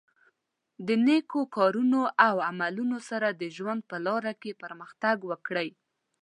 د نېکو کارونو او عملونو سره د ژوند په لاره کې پرمختګ وکړئ.